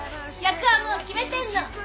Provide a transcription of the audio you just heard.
役はもう決めてんの！